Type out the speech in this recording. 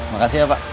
makasih ya pak